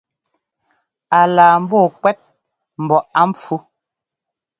A laa mbɔɔ kuɛ́t mbɔ á npfú.